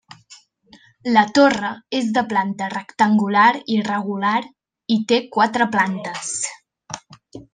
La torre és de planta rectangular irregular i té quatre plantes.